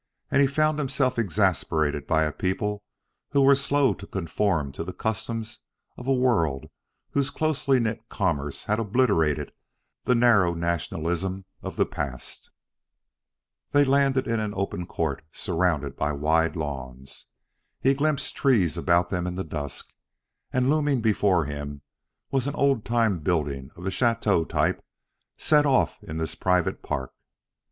And he found himself exasperated by a people who were slow to conform to the customs of a world whose closely knit commerce had obliterated the narrow nationalism of the past. They landed in an open court surrounded by wide lawns. He glimpsed trees about them in the dusk, and looming before him was an old time building of the chateau type set off in this private park.